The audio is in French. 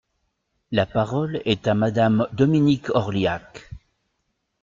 La parole est à Madame Dominique Orliac.